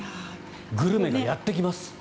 グルメがやってきます。